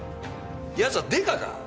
奴はデカか？